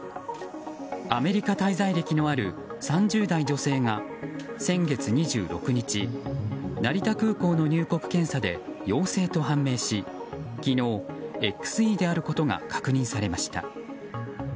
アメリカ滞在歴のある３０代女性が先月２６日成田空港の入国検査で陽性と判明し昨日、ＸＥであることが確認されました。